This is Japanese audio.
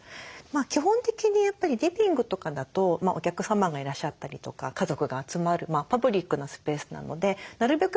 基本的にやっぱりリビングとかだとお客様がいらっしゃったりとか家族が集まるパブリックなスペースなのでなるべく